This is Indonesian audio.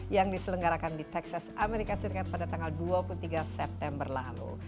yang diselenggarakan di texas amerika serikat pada tanggal dua puluh tiga september lalu